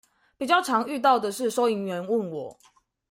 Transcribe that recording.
比較常遇到的是收銀員問我